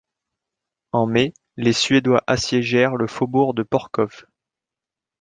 En mai, les Suédois assiègent le faubourg de Porkhov.